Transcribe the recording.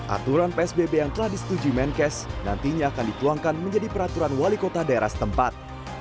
aturan psbb yang telah disetujui menkes nantinya akan dituangkan menjadi peraturan wali kota daerah setempat